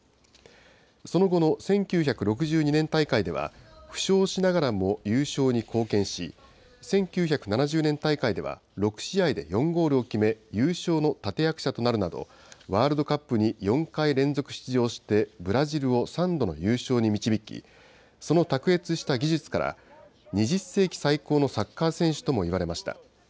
その後の１９６２年大会では、負傷しながらも優勝に貢献し、１９７０年大会では６試合で４ゴールを決め、優勝の立て役者となるなど、ワールドカップに４回連続出場して、ブラジルを３度の優勝に導き、その卓越した技術から、２０世紀最高のサッカー選手ともいわれました。